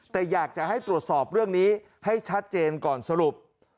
แต่อยากจะให้ตรวจสอบเรื่องนี้ให้ชัดเจนก่อนสรุป